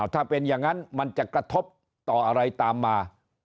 ถ้าเป็นอย่างนั้นมันจะกระทบต่ออะไรตามมา